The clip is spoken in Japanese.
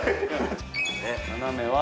斜めは。